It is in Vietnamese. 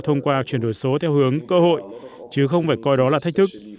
thông qua chuyển đổi số theo hướng cơ hội chứ không phải coi đó là thách thức